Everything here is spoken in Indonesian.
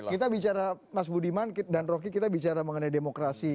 kita bicara mas budiman dan rocky kita bicara mengenai demokrasi